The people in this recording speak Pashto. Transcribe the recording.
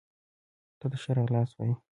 تاته ښه راغلاست وايو